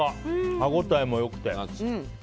歯応えもよくて。